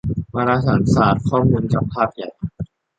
วารสารศาสตร์ข้อมูลกับภาพใหญ่